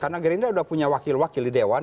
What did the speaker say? karena gerindra udah punya wakil wakil di dewan